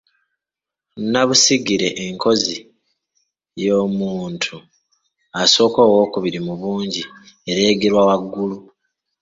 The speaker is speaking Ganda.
nnabusigire enkozi ey’omuntu asooka n’ow’okubiri mu bungi ereegerwa waggulu